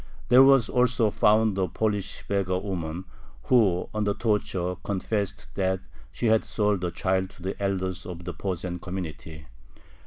There was also found a Polish beggar woman, who, under torture, confessed that she had sold the child to the elders of the Posen community.